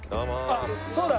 あっそうだ。